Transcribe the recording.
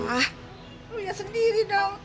ah lihat sendiri dong